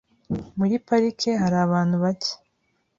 Muri parike hari abantu bake.